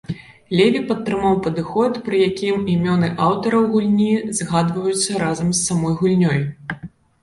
Леві падтрымаў падыход, пры якім імёны аўтараў гульні згадваюцца разам з самой гульнёй.